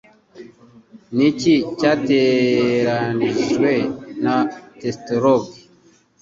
Niki cyegeranijwe na Tegestologue?